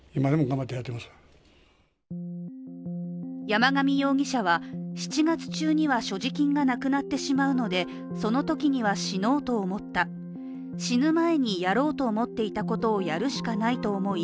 山上容疑者は７月中には所持金がなくなってしまうのでそのときには死のうと思った、死ぬ前にやろうと思っていたことをやるしかないと思い